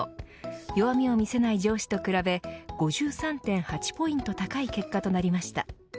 弱みを見せない上司と比べ５３．８ポイント高い結果となりました。